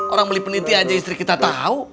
orang beli peneliti aja istri kita tahu